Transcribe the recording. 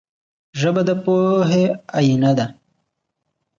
ژبه د پوهې آینه ده